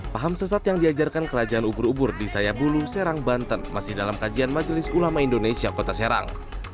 paham sesat yang diajarkan kerajaan ubur ubur di sayabulu serang banten masih dalam kajian majelis ulama indonesia kota serang